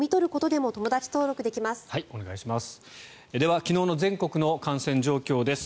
では昨日の全国の感染状況です。